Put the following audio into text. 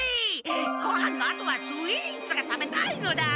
ごはんのあとはスイーツが食べたいのだ！